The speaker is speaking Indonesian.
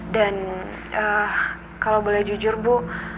dan kalau boleh jujur bu